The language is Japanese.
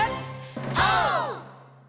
オー！